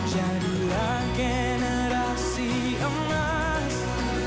jadilah generasi emas